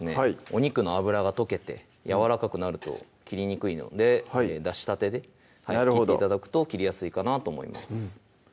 お肉の脂が溶けてやわらかくなると切りにくいので出したてで切って頂くと切りやすいかなと思います